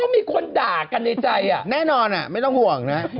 มีคนด่ากันในใจอ่ะแน่นอนอ่ะไม่ต้องห่วงนะครับ